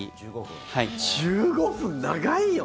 １５分長いよね。